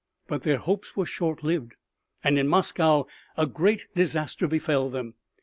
But their hopes were short lived, and in Moscow a great disaster befell them.